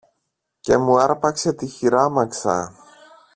και μου άρπαξε τη χειράμαξα.